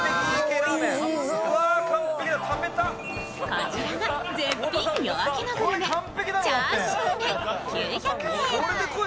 こちらが絶品夜明けのグルメ、チャーシューメン９００円。